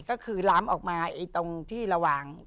ก็คือล้ำออกมาตรงที่ระหว่าง